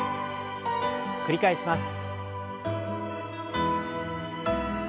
繰り返します。